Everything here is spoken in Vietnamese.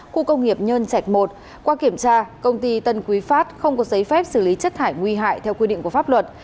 khu công nghiệp nhân trạch một qua kiểm tra công ty tân quý phát không có giấy phép xử lý chất thải nguy hại theo quy định của pháp luật